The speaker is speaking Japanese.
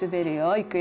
いくよ。